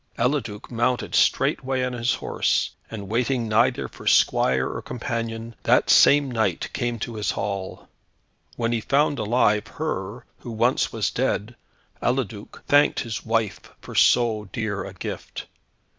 Eliduc mounted straightway on his horse, and waiting neither for squire or companion, that same night came to his hall. When he found alive, her, who once was dead, Eliduc thanked his wife for so dear a gift.